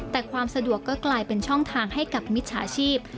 แต่ความสะดวกก็กลายเป็นช่องทางให้กับมิจฉาชีพ